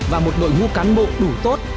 và một đội ngu cán bộ đủ tốt